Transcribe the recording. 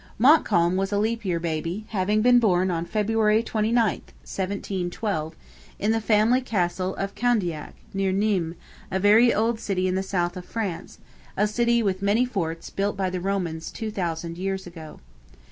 Montcalm was a leap year baby, having been born on February 29, 1712, in the family castle of Candiac, near Nimes, a very old city of the south of France, a city with many forts built by the Romans two thousand years ago.